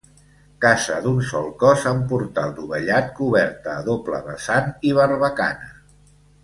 Casa d'un sol cos amb portal dovellat, coberta a doble vessant i barbacana.